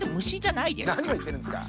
なにをいってるんですか！